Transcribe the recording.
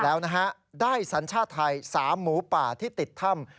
แล้วนะฮะได้สัญชาติไทย๓หมูป่าที่ติดถ้ำ